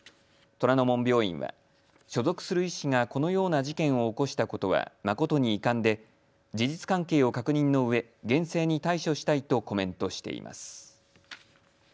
虎の門病院は所属する医師がこのような事件を起こしたことは誠に遺憾で事実関係を確認のうえ厳正に対処したいとコメントしています。